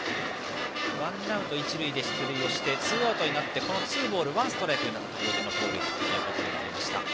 ワンアウト一塁で出塁をしてツーアウトになってツーボール、ワンストライクになってからでした。